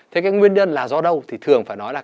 thế cái nguyên nhân là do đâu thì thường phải nói là